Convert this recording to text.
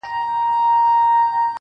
تېرومه ژوند د دې ماښام په تمه,